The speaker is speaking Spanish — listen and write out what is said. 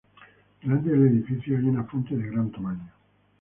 Delante del edificio hay una fuente de gran tamaño.